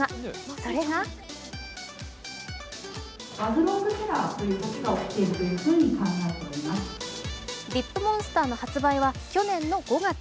それがリップモンスターの発売は去年の５月。